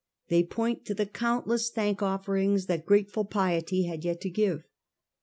They point to the mentS'^' countless thankofferings that grateful piety evidence, had yet to give.